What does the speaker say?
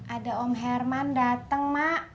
ada om herman datang mak